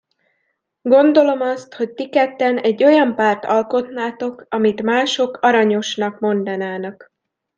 Gondolom azt, hogy ti ketten egy olyan párt alkotnátok, amit mások aranyosnak mondanának.